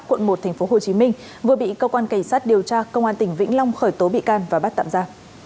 quận một tp hcm vừa bị cơ quan cảnh sát điều tra công an tỉnh vĩnh long khởi tố bị can và bắt tạm ra